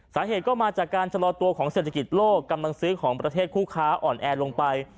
สาเหตุก็มาจากการชะลอตัวของเศรษฐกิจโลกกำลังซื้อของประเทศคู่ค้าอ่อนแอลงไป